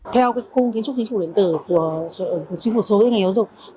theo khung kiến trúc chính phủ điện tử của chính phủ số ngành giáo dục